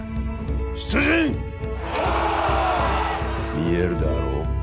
見えるであろう？